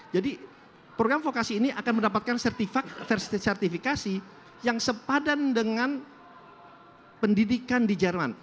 jadi program vokasi ini akan mendapatkan sertifikat versi sertifikasi yang sepadan dengan pendidikan di jerman